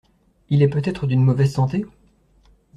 Il est peut-être d’une mauvaise santé ?